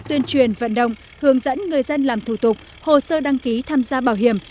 tuyên truyền vận động hướng dẫn người dân làm thủ tục hồ sơ đăng ký tham gia bảo hiểm